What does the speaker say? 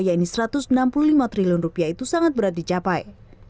yaitu rp satu ratus enam puluh lima triliun rupiah itu sangat berat dicapai